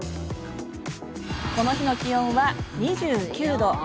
この日の気温は２９度。